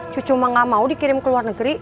cucu mah nggak mau dikirim ke luar negeri